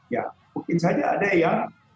ya mungkin saja ada yang